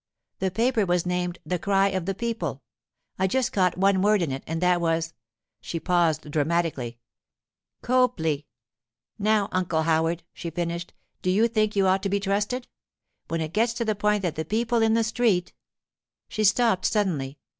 The paper was named the Cry of the People; I just caught one word in it, and that was—' she paused dramatically—'Copley! Now, Uncle Howard,' she finished, 'do you think you ought to be trusted? When it gets to the point that the people in the street——' She stopped suddenly.